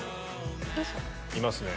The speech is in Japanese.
いますね。